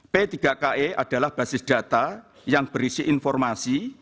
p tiga ke adalah basis data yang berisi informasi